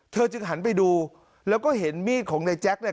จึงหันไปดูแล้วก็เห็นมีดของนายแจ๊คเนี่ย